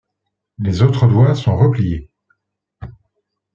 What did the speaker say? Les autres doigts sont repliés.